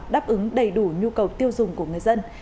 đáp ứng đầy đủ nhu cầu tiêu dùng của người dân